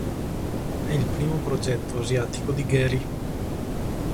È il primo progetto asiatico di Gehry.